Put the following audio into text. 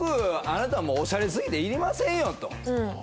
あなたはもうオシャレすぎて要りませんよと？